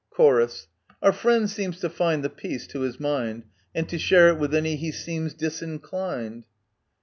Chor. Our friend seems to find the peace to his mind, And to share it with any he seems disinclined